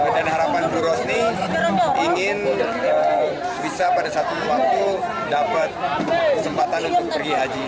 dan harapan ibu rosni ingin bisa pada suatu waktu dapat kesempatan untuk pergi haji